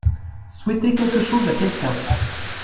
Souhaiter quelque chose à quelqu’un.